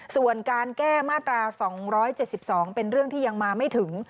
ส่วนการแก้มาตรา๒๗๒เป็นเรื่องที่ยังมาไม่ถึง